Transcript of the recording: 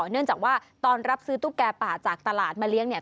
เนื่องจากว่าตอนรับซื้อตุ๊กแก่ป่าจากตลาดมาเลี้ยงเนี่ย